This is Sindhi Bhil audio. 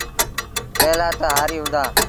ڪݩهݩ لآ تا هآريٚ هُݩدآ۔